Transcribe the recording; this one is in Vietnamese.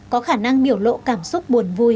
có khả năng biểu lộ cảm xúc buồn vui